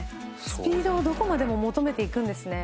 スピードをどこまでも求めていくんですね。